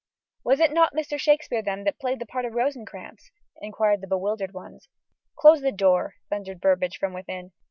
"Was it not Mr. Shakespeare, then, that played the part of Rosencrantz?" enquired the bewildered ones. "Close the door!" thundered Burbage from within.